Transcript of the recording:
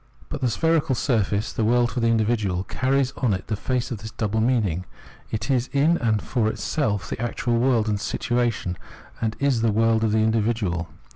But the spherical surface, the world for the individual, carries on the face of it this double meaning : it is in and for itself the actual world and situation, and it is the world of the individual.